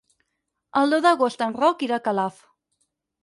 El deu d'agost en Roc irà a Calaf.